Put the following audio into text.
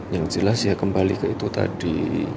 yang jelas ya kembali ke itu tadi